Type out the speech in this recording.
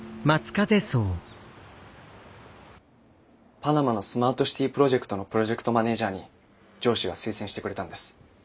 パナマのスマートシティプロジェクトのプロジェクトマネージャーに上司が推薦してくれたんです。